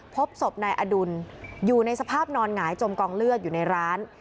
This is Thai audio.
พบศพนายอดุลอยู่ในสภาพนอนหงายจมกองเลือดอยู่ในร้าน